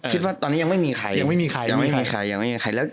คิดว่าตอนนี้ยังไม่มีใคร